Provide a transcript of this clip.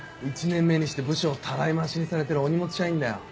１年目にして部署をたらい回しにされてるお荷物社員だよ。